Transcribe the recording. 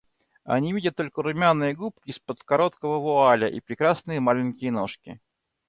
Они видят только румяные губки из-под короткого вуаля и прекрасные маленькие ножки.